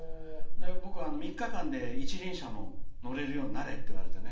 僕３日間で一輪車も乗れるようになれって言われてね。